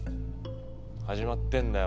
始まってんだよ